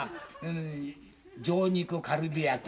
上肉カルビ焼き。